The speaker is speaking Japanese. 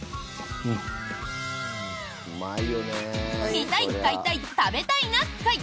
「見たい買いたい食べたいな会」。